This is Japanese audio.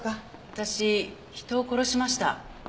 私人を殺しました。